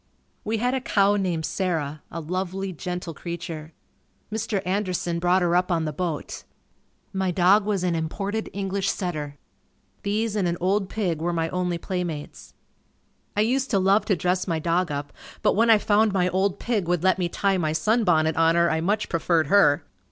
We had a cow named Sarah. A lovely, gentle creature. Mr. Anderson brought her up on the boat. My dog was an imported English setter. These and an old pig were my only playmates. I used to love to dress my dog up but when I found my old pig would let me tie my sunbonnet on her I much preferred her.